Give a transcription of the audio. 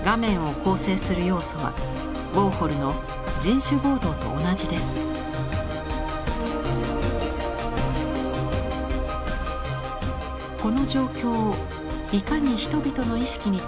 この状況をいかに人々の意識にとどめておけるか？